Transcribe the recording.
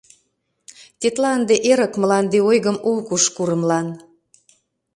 Тетла ынде эрык мланде Ойгым ок уж курымлан.